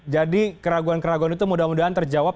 jadi keraguan keraguan itu mudah mudahan terjawab